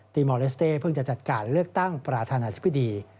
มอลเลสเต้เพิ่งจะจัดการเลือกตั้งประธานาธิบดี